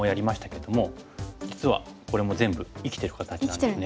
実はこれも全部生きてる形なんですね。